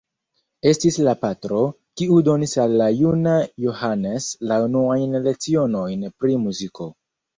Estis la patro, kiu donis al la juna Johannes la unuajn lecionojn pri muziko.